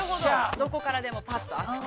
どこからでもぱっと開く。